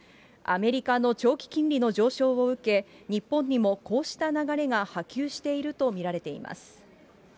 アメリカの長期金利の上昇を受け、日本にもこうした流れが波及していると見られています。